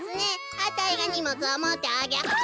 あたいがにもつをもってあげハッ！